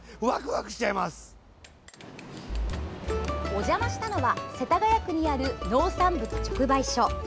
お邪魔したのは世田谷区にある農産物直売所。